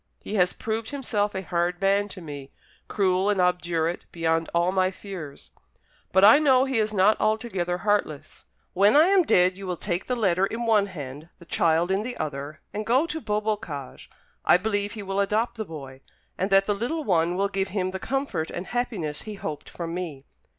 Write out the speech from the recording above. He has proved himself a hard man to me, cruel and obdurate beyond all my fears; but I know he is not altogether heartless. When I am dead, you will take the letter in one hand, the child in the other, and go to Beaubocage. I believe he will adopt the boy, and that the little one will give him the comfort and happiness he hoped from me.